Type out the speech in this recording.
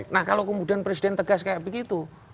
nah kalau kemudian presiden tegas kayak begitu